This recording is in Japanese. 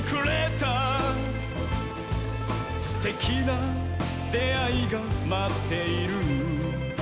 「すてきなであいがまっている」